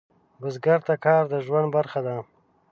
بزګر ته کار د ژوند برخه ده